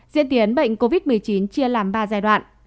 diễn tiến bệnh covid một mươi chín chia làm ba giai đoạn